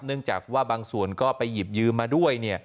เนื่องจากว่าบางส่วนก็ไปหยิบยืมมาด้วย